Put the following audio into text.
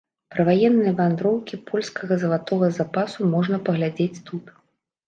Пра ваенныя вандроўкі польскага залатога запасу можна паглядзець тут.